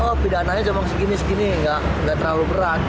oh pidananya cuma segini segini nggak terlalu berat